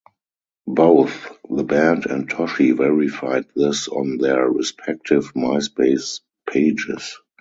Both the band and Toshi verified this on their respective Myspace pages.